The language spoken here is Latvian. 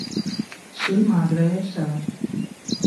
Slimā dvēsele.